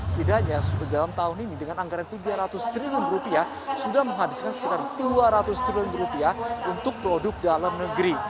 setidaknya dalam tahun ini dengan anggaran tiga ratus triliun rupiah sudah menghabiskan sekitar dua ratus triliun rupiah untuk produk dalam negeri